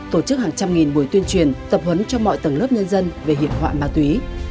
tổ chức hàng trăm nghìn buổi tuyên truyền tập huấn cho mọi tầng lớp nhân dân về hiểm họa ma túy